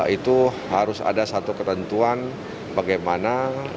itu harus ada satu ketentuan bagaimana